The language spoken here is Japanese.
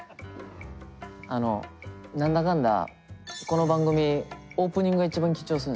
あの何だかんだこの番組オープニングが一番緊張するんですよね。